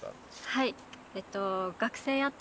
はい。